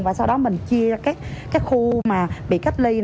và sau đó mình chia ra các khu mà bị cách ly